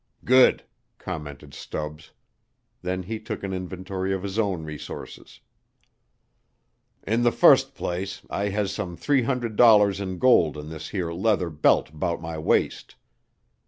"Good!" commented Stubbs. Then he took an inventory of his own resources. "In th' fust place, I has some three hundred dollars in gold in this here leather belt 'bout my waist.